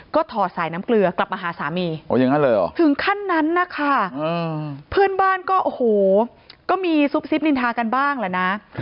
ก็โอ้โหก็มีซุบซิบนินทากันบ้างละนะ